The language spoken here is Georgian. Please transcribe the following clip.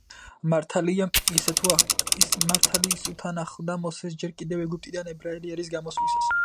მართალი ისუ თან ახლდა მოსეს ჯერ კიდევ ეგვიპტიდან ებრაელი ერის გამოსვლისას.